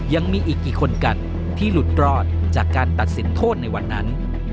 ยังมีอีกกี่คนกันที่หลุดรอดจากการตัดสินโทษในวันนั้น